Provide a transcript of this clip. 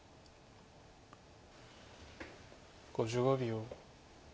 ５５秒。